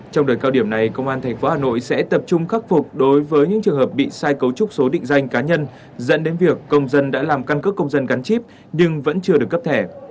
trong đợt cao điểm này công an tp hà nội sẽ tập trung khắc phục đối với những trường hợp bị sai cấu trúc số định danh cá nhân dẫn đến việc công dân đã làm căn cước công dân gắn chip nhưng vẫn chưa được cấp thẻ